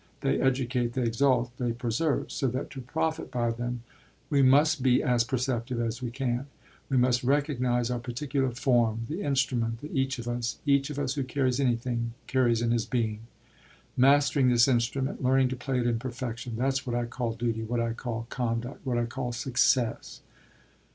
They educate, they exalt, they preserve; so that to profit by them we must be as perceptive as we can. We must recognise our particular form, the instrument that each of us each of us who carries anything carries in his being. Mastering this instrument, learning to play it in perfection that's what I call duty, what I call conduct, what I call success."